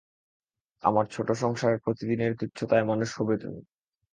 আমার ছোটো সংসারে প্রতিদিনের তুচ্ছতার মানুষ হবে তুমি!